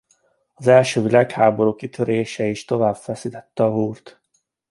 Az első világháború kitörése is tovább feszítette a húrt.